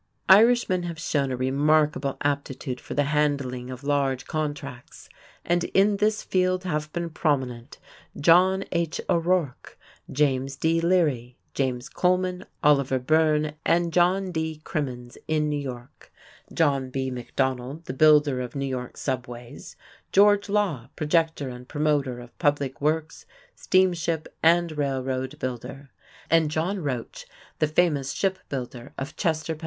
Irishmen have shown a remarkable aptitude for the handling of large contracts, and in this field have been prominent John H. O'Rourke, James D. Leary, James Coleman, Oliver Byrne, and John D. Crimmins in New York; John B. McDonald, the builder of New York's subways; George Law, projector and promoter of public works, steamship and railroad builder; and John Roach, the famous ship builder of Chester, Pa.